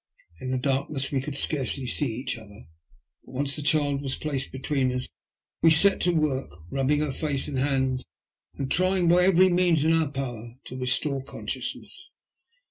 In the darkness we could scarcely see each other, but once the child was placed between us we set to work rubbing her face and hands and trying by every means in our power to restore consciousness.